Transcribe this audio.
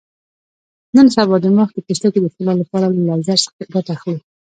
نن سبا د مخ د پوستکي د ښکلا لپاره له لیزر څخه ګټه اخلو.